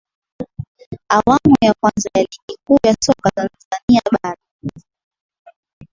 awamu ya kwanza ya ligi kuu ya soka tanzania bara